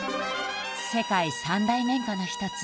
世界三大綿花の一つ